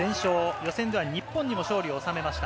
予選では日本にも勝利を収めました。